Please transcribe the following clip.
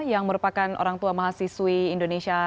yang merupakan orang tua mahasiswi indonesia